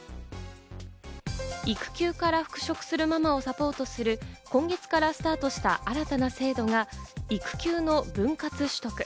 育休から復職するママをサポートする、今月からスタートした新たな制度が育休の分割取得。